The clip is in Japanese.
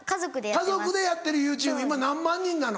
家族でやってるＹｏｕＴｕｂｅ今何万人なの？